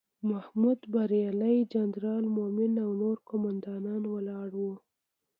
محمود بریالی، جنرال مومن او نور قوماندان ولاړ وو.